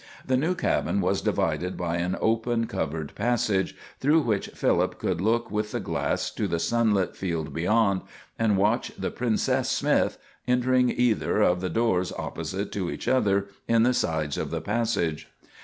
The new cabin was divided by an open covered passage, through which Philip could look with the glass to the sunlit field beyond, and watch the Princess Smith entering either of the doors opposite to each other in the sides of the passage.